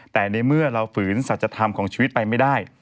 แต่ในเมื่อเราฝืนสัจธรรมของชีวิตไปไม่ได้